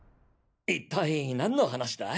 一体何の話だい？